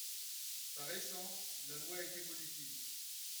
Par essence, la loi est évolutive.